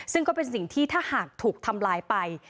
ซึ่งก็เป็นสิ่งที่ถ้าหากถูกทำลายไป